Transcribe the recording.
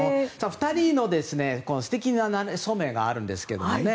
２人の素敵ななれそめがあるんですけどね。